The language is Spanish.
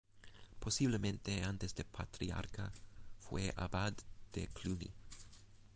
Posiblemente, antes que patriarca, fue abad de Cluny.